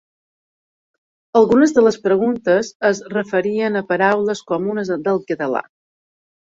Algunes de les preguntes es referien a paraules comunes del català.